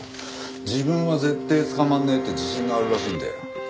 自分は絶対捕まんねえって自信があるらしいんだよ。